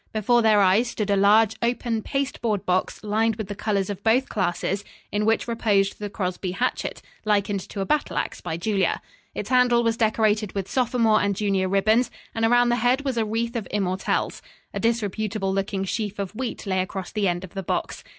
Before their eyes stood a large, open paste board box lined with the colors of both classes, in which reposed the Crosby hatchet, likened to a battle ax by Julia. Its handle was decorated with sophomore and junior ribbons, and around the head was a wreath of immortelles. A disreputable looking sheaf of wheat lay across the end of the box.